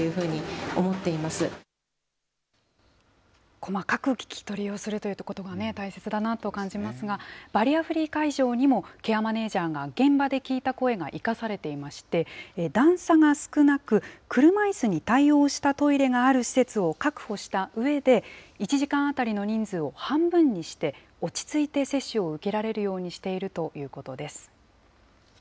細かく聞き取りをするということが大切だなと感じますが、バリアフリー会場にも、ケアマネージャーが現場で聞いた声が生かされていまして、段差が少なく、車いすに対応したトイレがある施設を確保したうえで、１時間当たりの人数を半分にして、落ち着いて接種を受けられるようにしているということです。